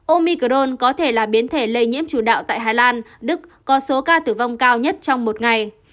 omicrone có thể là biến thể lây nhiễm chủ đạo tại hà lan đức có số ca tử vong cao nhất trong một ngày